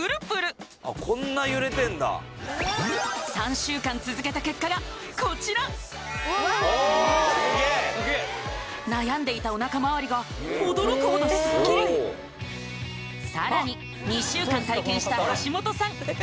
週間続けた結果がこちらおっすげえ悩んでいたおなかまわりが驚くほどスッキリさらに２週間体験した橋本さん